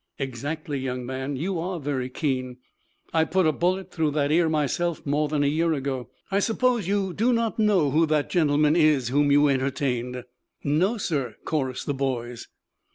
"Exactly, young man. You are very keen. I put a bullet through that ear myself, more than a year ago. I suppose you do not know who the gentleman is whom you entertained?" "No, sir," chorused the boys.